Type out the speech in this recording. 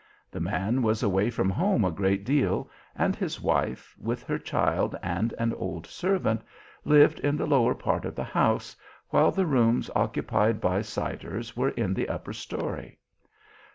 The man was away from home a great deal, and his wife, with her child and an old servant, lived in the lower part of the house, while the rooms occupied by Siders were in the upper story.